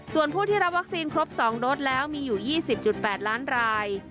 ส่วนผู้ที่รับวัคซีนครบ๒โดสแล้วมีอยู่๒๐๘ล้านราย